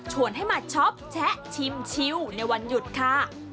ให้มาช็อปแชะชิมชิวในวันหยุดค่ะ